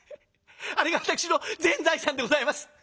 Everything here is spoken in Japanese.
あれが私の全財産でございます。